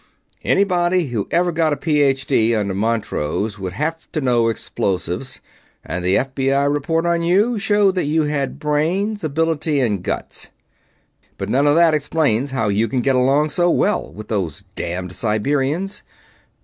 "Anybody who ever got a Ph.D. under Montrose would have to know explosives, and the F.B.I. report on you showed that you had brains, ability, and guts. But none of that explains how you can get along so well with those damned Siberians.